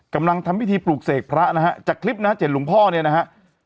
ทำพิธีปลูกเสกพระนะฮะจากคลิปนะฮะเจ็ดหลวงพ่อเนี่ยนะฮะ